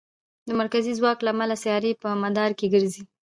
د مرکزي ځواک له امله سیارې په مدار کې ګرځي.